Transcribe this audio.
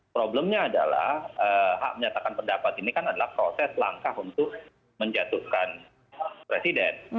problemnya adalah hak menyatakan pendapat ini kan adalah proses langkah untuk menjatuhkan presiden